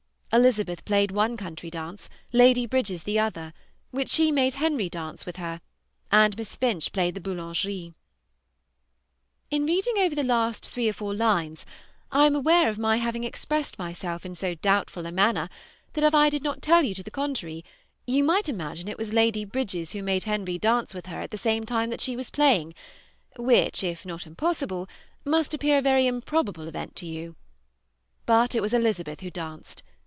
Elizabeth played one country dance, Lady Bridges the other, which she made Henry dance with her, and Miss Finch played the Boulangeries. In reading over the last three or four lines, I am aware of my having expressed myself in so doubtful a manner that if I did not tell you to the contrary, you might imagine it was Lady Bridges who made Henry dance with her at the same time that she was playing, which, if not impossible, must appear a very improbable event to you. But it was Elizabeth who danced.